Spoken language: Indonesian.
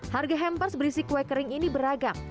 harga hampers berisi kue kering ini beragam